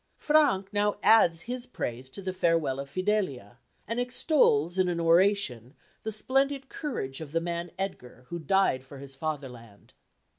Frank now adds his praise to the farewell of Fidelia, and extols in an oration the splendid courage of the man Edgar who died for his fatherland.